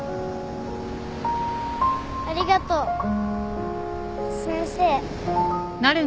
ありがとう先生。